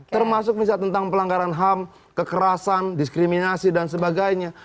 termasuk misal tentang pelanggaran ham kekerasan diskriminasi dan sebagainya